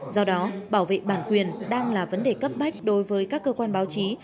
do đó bảo vệ bản quyền đang là vấn đề cấp bách đối với các cơ quan báo chí